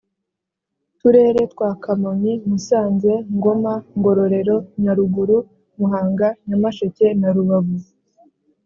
turere twa kamonyi musanze ngoma ngororero nyaruguru muhanga nyamasheke na rubavu